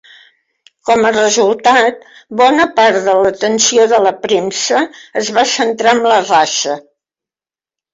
Com a resultat, bona part de l'atenció de la premsa es va centrar en la raça.